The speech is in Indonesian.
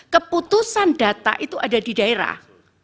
keputusan data itu ada di daerah